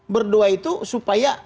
berdoa itu supaya